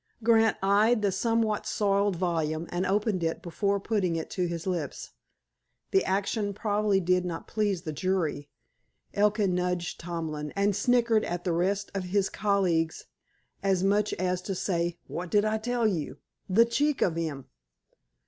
Grant eyed the somewhat soiled volume, and opened it before putting it to his lips. The action probably did not please the jury. Elkin nudged Tomlin, and sniggered at the rest of his colleagues, as much as to say: "What did I tell you? The cheek of him!"